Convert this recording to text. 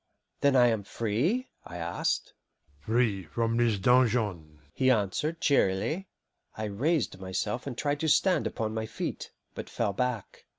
"Then I am free?" I asked. "Free from this dungeon," he answered cheerily. I raised myself and tried to stand upon my feet, but fell back.